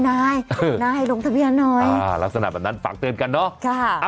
นายลงทะเบียนหน่อยลักษณะแบบนั้นฝากเตือนกันเนาะ